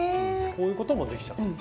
こういうこともできちゃう。